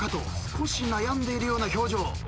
少し悩んでいるような表情。